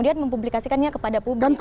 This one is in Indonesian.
itu jelas kita melaporkan